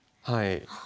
はい。